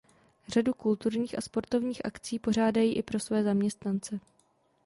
Řadu kulturních a sportovních akcí pořádají i pro své zaměstnance.